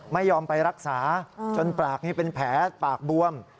ไม่ยอมไปรักษาจนปากนี้เป็นแผลปากบวม